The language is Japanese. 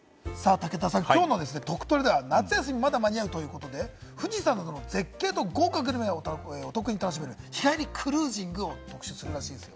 武田さん、きょうのトクトレでは夏休み、まだ間に合うということで、富士山などの絶景と豪華グルメがお得に楽しめる日帰りクルージングを特集するそうです。